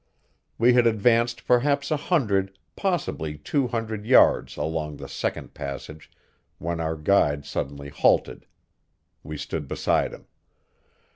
We had advanced perhaps a hundred, possibly two hundred yards along the second passage when our guide suddenly halted. We stood beside him.